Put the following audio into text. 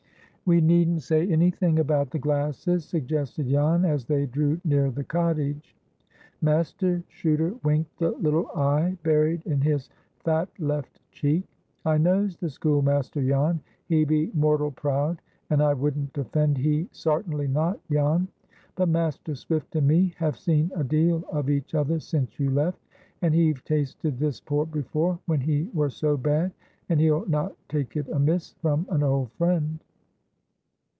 "We needn't say any thing about the glasses," suggested Jan, as they drew near the cottage. Master Chuter winked the little eye buried in his fat left cheek. "I knows the schoolmaster, Jan. He be mortal proud; and I wouldn't offend he, sartinly not, Jan. But Master Swift and me have seen a deal of each other since you left, and he've tasted this port before, when he were so bad, and he'll not take it amiss from an old friend."